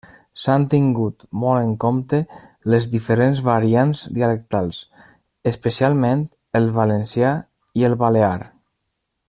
S'han tingut molt en compte les diferents variants dialectals, especialment el valencià i el balear.